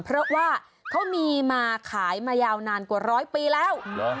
เพราะว่าเขามีมาขายมายาวนานกว่าร้อยปีแล้ว